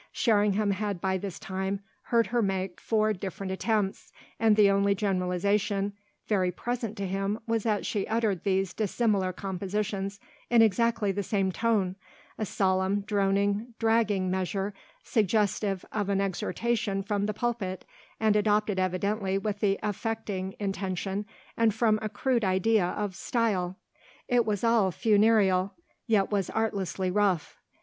Sherringham had by this time heard her make four different attempts, and the only generalisation very present to him was that she uttered these dissimilar compositions in exactly the same tone a solemn, droning, dragging measure suggestive of an exhortation from the pulpit and adopted evidently with the "affecting" intention and from a crude idea of "style." It was all funereal, yet was artlessly rough.